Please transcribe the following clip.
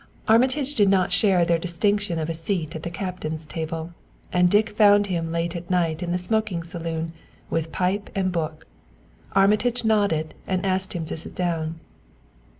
Armitage did not share their distinction of a seat at the captain's table, and Dick found him late at night in the smoking saloon with pipe and book. Armitage nodded and asked him to sit down.